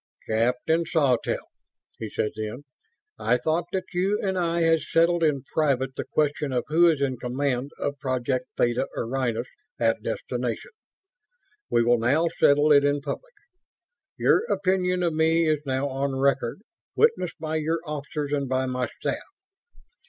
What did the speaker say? "Captain Sawtelle," he said then, "I thought that you and I had settled in private the question or who is in command of Project Theta Orionis at destination. We will now settle it in public. Your opinion of me is now on record, witnessed by your officers and by my staff.